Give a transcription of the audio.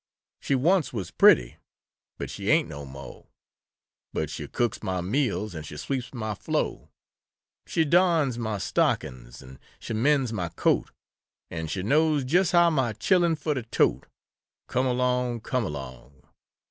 She once was pretty, but she ain't no mo', But she cooks mah meals an' she sweeps mah flo'; She darns mah stockings an' she mends mah coat, An' she knows jes' how mah chillun fer to tote Come along! Come along!